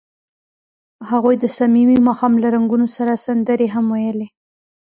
هغوی د صمیمي ماښام له رنګونو سره سندرې هم ویلې.